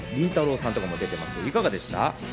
さんとか出てますけどいかがでしたか？